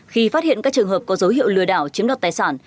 khi phát hiện các trường hợp có dấu hiệu lừa đảo chiếm đoạt tài sản